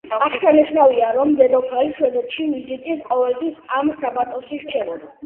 აღსანიშნავია, რომ დედოფალი შვედეთში ვიზიტისას ყოველთვის ამ სააბატოში რჩებოდა.